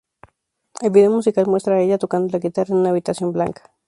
El vídeo musical muestra a ella tocando la guitarra en una habitación blanca.